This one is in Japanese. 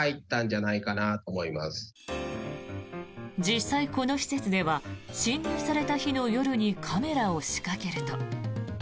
実際、この施設では侵入された日の夜にカメラを仕掛けると。